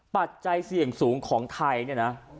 ปัจจัยเสี่ยงสูงของไทย